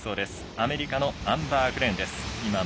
アメリカのアンバー・グレンです。